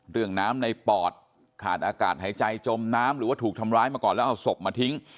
น้ำในปอดขาดอากาศหายใจจมน้ำหรือว่าถูกทำร้ายมาก่อนแล้วเอาศพมาทิ้ง